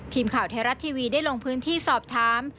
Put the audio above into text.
ทีมข่าวไทยรัฐทีวีได้ลงพื้นที่สอบถาม